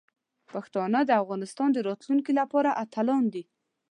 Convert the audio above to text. پښتانه د افغانستان د راتلونکي لپاره اتلان دي.